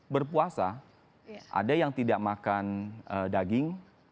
berpuasa ada yang tidak makan daging